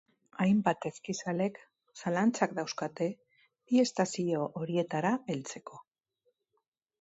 Hainbat eskizalek zalantzak dauzkate bi estazio horietara heltzeko.